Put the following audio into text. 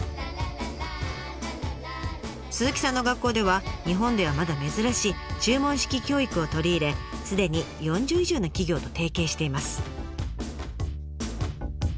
鈴木さんの学校では日本ではまだ珍しい注文式教育を取り入れすでに４０以上の企業と提携しています。